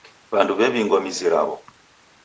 W'andu w'ew'ingwa mizi raw'o.